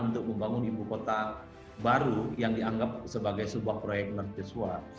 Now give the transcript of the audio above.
untuk membangun ibu kota baru yang dianggap sebagai sebuah proyek mergesuhan